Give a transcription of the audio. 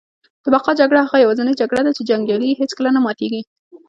د بقا جګړه هغه یوازینۍ جګړه ده چي جنګیالي یې هیڅکله نه ماتیږي